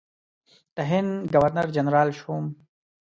د هند ګورنر جنرال شوم.